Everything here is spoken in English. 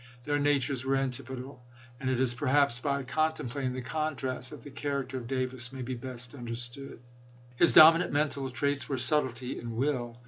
Their natures were antipodal, and it is perhaps by contemplating the contrast that the character of Davis may be best understood. His dominant mental traits were subtlety and will.